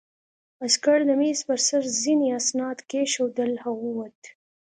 عسکر د مېز په سر ځینې اسناد کېښودل او ووت